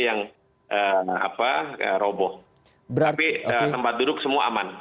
yang tempat duduk semua aman